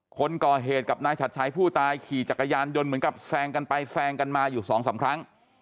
คนก่อเหตุกับนายชัดชัยผู้ตายขี่จักรยานยนต์เหมือนกับแซงกันไปแซงกันมาอยู่สองสามครั้ง